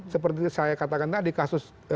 seperti saya katakan tadi kasus